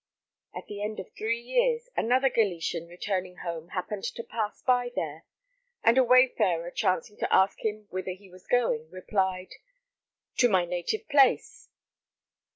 At the end of three years another Galician returning home happened to pass by there, and a wayfarer chancing to ask him whither he was going, replied: "To my native place."